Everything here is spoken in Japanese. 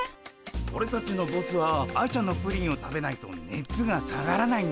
オレたちのボスは愛ちゃんのプリンを食べないとねつが下がらないんだ。